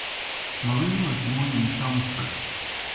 Marre was born in Chelmsford.